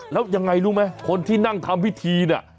แล้วยังไงรู้ไหมคนที่นั่งทำพิธีเนี่ย